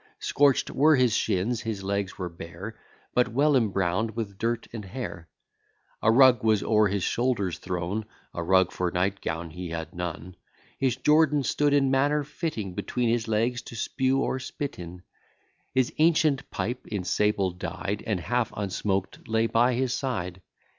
Scorch'd were his shins, his legs were bare, But well embrown'd with dirt and hair A rug was o'er his shoulders thrown, (A rug, for nightgown he had none,) His jordan stood in manner fitting Between his legs, to spew or spit in; His ancient pipe, in sable dyed, And half unsmoked, lay by his side.